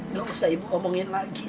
gak usah ibu omongin lagi